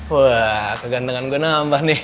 wah kegantengan gue nambah nih